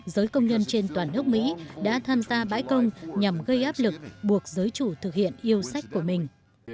giới công nhân trên toàn nước mỹ đã tham gia bãi công nhằm gây áp lực buộc giới chủ thực hiện yêu sách của mình